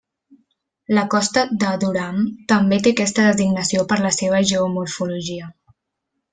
La costa de Durham també té aquesta designació per la seva geomorfologia.